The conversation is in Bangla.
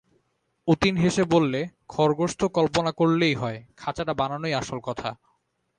অতীন হেসে বললে, খরগোশ তো কল্পনা করলেই হয়, খাঁচাটা বানানোই আসল কথা।